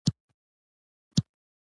زردالو د میوې د پاچا لقب لري.